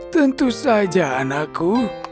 tentu saja anakku